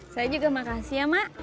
saya juga makasih ya mak